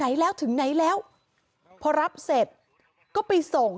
มีเรื่องอะไรมาคุยกันรับได้ทุกอย่าง